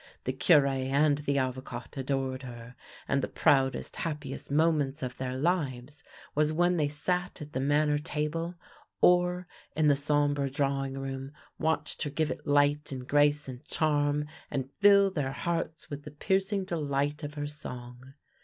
The Cure and the Avocat adored her, and the proudest, hap piest moments of their lives was when they sat at the manor table or, in the sombre drawing room, watched lier give it light and grace and charm and fill their hearts with the piercing delight of her song.